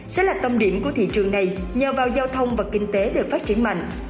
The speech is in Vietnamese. sẽ là tâm điểm của thị trường này nhờ vào giao thông và kinh tế được phát triển mạnh